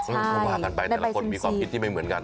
แต่ละคนมีความคิดที่ไม่เหมือนกัน